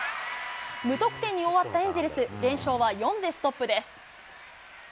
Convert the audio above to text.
無得点に終わったエンゼルス、連勝は４でストップです。